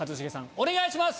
お願いします！